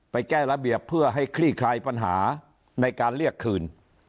แก้ระเบียบเพื่อให้คลี่คลายปัญหาในการเรียกคืน